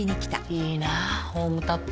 いいなホームタップ。